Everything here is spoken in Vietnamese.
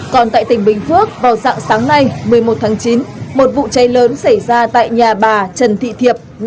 còn tại tỉnh bình phước vào dạng sáng nay một mươi một tháng chín một vụ cháy lớn xảy ra tại nhà bà trần thị thiệp